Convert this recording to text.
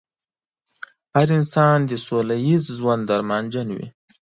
هر انسان د سوله ييز ژوند ارمانجن وي.